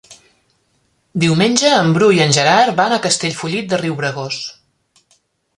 Diumenge en Bru i en Gerard van a Castellfollit de Riubregós.